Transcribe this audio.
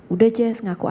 udah jess gak kutipu